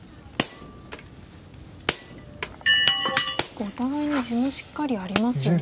結構お互いに地もしっかりありますよね。